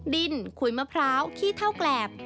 ดินขุยมะพร้าวขี้เท่าแกรบ